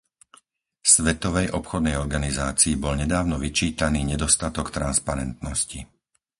Svetovej obchodnej organizácii bol nedávno vyčítaný nedostatok transparentnosti.